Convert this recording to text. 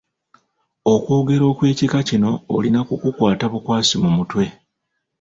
Okwogera okw'ekika kino olina kukukwata bukwasi mu mutwe.